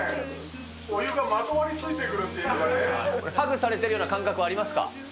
お湯がまとわりついてくる感ハグされているような感覚はありますか？